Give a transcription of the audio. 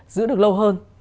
giữ được lâu hơn